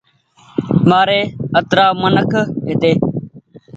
مآري اَترآ منک هيتي